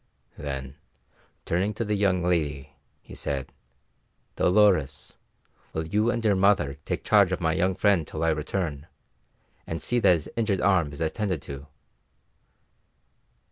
Then, turning to the young lady, he said, "Dolores, will you and your mother take charge of my young friend till I return, and see that his injured arm is attended to?"